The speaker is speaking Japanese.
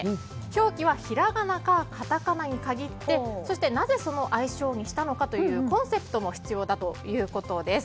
表記はひらがなかカタカナに限りそして、なぜその愛称にしたのかというコンセプトも必要だということです。